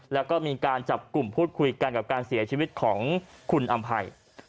แล้วก็มีการจับกลุ่มพูดคุยกันกับการเสียชีวิตของคุณอำภัย